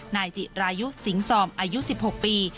นายจิรายุสิงซอมอายุ๑๖ปี